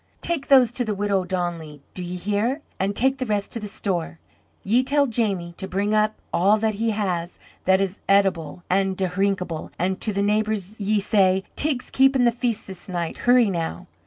"Take those to the widow O'Donnelly, do ye hear? And take the rest to the store. Ye tell Jamie to bring up all that he has that is eatable an' dhrinkable; and to the neighbours ye say, 'Teig's keepin' the feast this night.' Hurry now!"